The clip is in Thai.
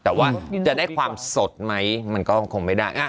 แต่ว่าจะได้ความสดไหมมันก็คงไม่ได้